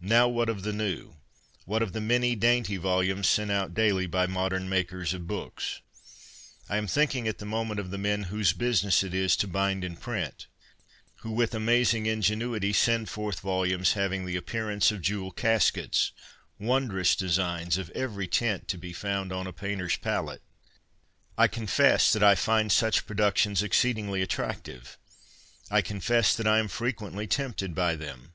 Now, what of the new ? What of the many dainty volumes sent out daily by modern makers of books ? I am thinking at the moment of the men whose business it is to bind and print, who with amazing ingenuity send forth volumes having the appearance of jewel caskets — wondrous designs of every tint to be found on a painter's palette. I confess that I find such productions exceedingly attractive. I confess that I am frequently tempted by them.